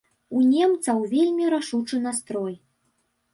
У немцаў вельмі рашучы настрой.